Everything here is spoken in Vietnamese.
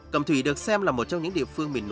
cầm thủy được xem là một trong những địa phương